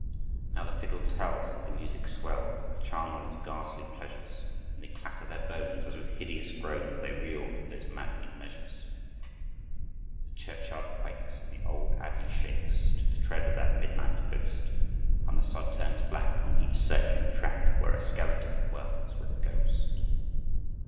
Now the fiddle tells, As the music swells, Of the charnel's ghastly pleasures; And they clatter their bones As with hideous groans They reel to those maddening measures. The churchyard quakes And the old abbey shakes To the tread of that midnight host, And the sod turns black On each circling track, Where a skeleton whirls with a ghost.